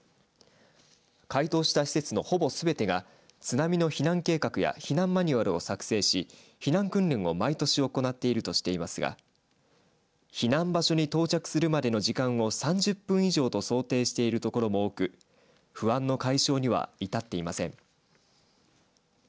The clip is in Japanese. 回答した施設のほぼすべてが津波の避難計画や避難マニュアルを作成し避難訓練を毎年行っているとしていますが避難場所に到着するまでの時間を３０分以上と想定しているところも多く不安の解消には至っていません。